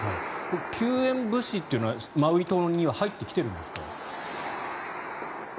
救援物資はマウイ島に入ってきているんですか。